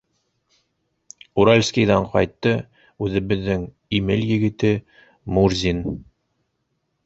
Уральскиҙан ҡайтты, үҙебеҙҙең Имел егете, Мурзин.